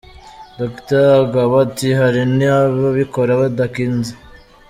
Dr Agaba ati “Hari n’ ababikora badakinze.